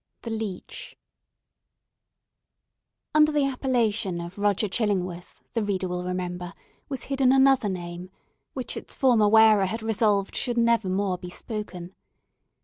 THE LEECH Under the appellation of Roger Chillingworth, the reader will remember, was hidden another name, which its former wearer had resolved should never more be spoken.